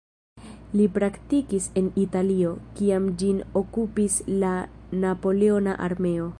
Li praktikis en Italio, kiam ĝin okupis la napoleona armeo.